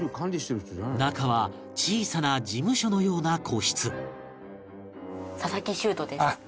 中は小さな事務所のような個室